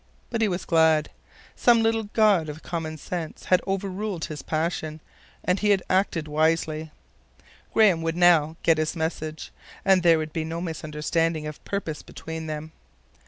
But he was glad. Some little god of common sense had overruled his passion, and he had acted wisely. Graham would now get his message, and there could be no misunderstanding of purpose between them.